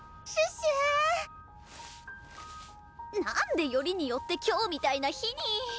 なんでよりによって今日みたいな日に！